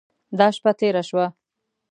دا شپه تېره شوه.